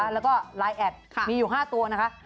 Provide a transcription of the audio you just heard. แล้วก็ไลน์แอดมีอยู่๕ตัวนะคะ